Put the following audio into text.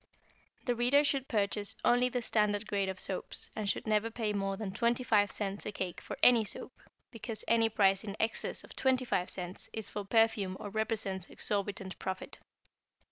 The reader should purchase only the standard grade of soaps, and should never pay more than 25 cents a cake for any soap, because any price in excess of 25 cents is for perfume or represents exorbitant profit.